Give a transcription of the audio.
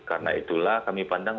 karena itulah kami pandang